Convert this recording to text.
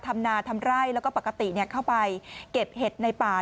ทำนาทำไร่แล้วก็ปกติเข้าไปเก็บเห็ดในป่า